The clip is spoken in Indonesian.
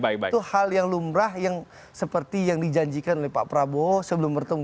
itu hal yang lumrah yang seperti yang dijanjikan oleh pak prabowo sebelum bertemu